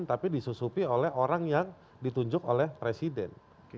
tapi disusupi oleh orang yang ditunjuk oleh presiden